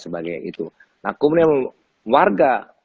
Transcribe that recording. sebagai itu aku menurut warga